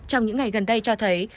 trong những ngày gần đây cho thấy